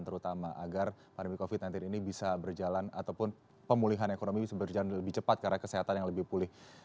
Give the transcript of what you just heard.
terutama agar pandemi covid sembilan belas ini bisa berjalan ataupun pemulihan ekonomi bisa berjalan lebih cepat karena kesehatan yang lebih pulih